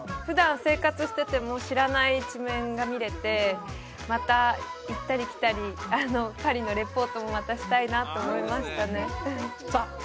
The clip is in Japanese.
普段生活してても知らない一面が見れてまた行ったり来たりパリのリポートもまたしたいなと思いましたねさあ